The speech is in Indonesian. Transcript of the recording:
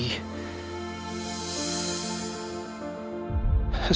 ya allah dewi